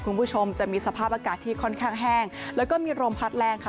คุณผู้ชมจะมีสภาพอากาศที่ค่อนข้างแห้งแล้วก็มีลมพัดแรงค่ะ